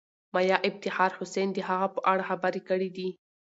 میا افتخار حسین د هغه په اړه خبرې کړې دي.